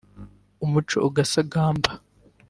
umuco ugasagamba